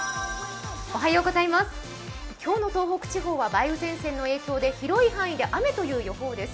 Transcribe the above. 今日の東北地方は梅雨前線の影響で広い範囲で雨という予報です。